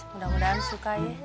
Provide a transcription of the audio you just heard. mudah mudahan suka ya